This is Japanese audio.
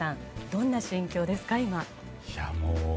どんな心境ですか？